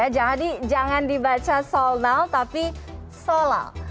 jadi jangan dibaca solnal tapi solal